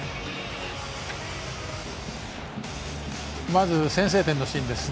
まず、先制点のシーンです。